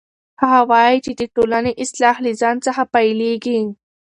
هغه وایي چې د ټولنې اصلاح له ځان څخه پیلیږي.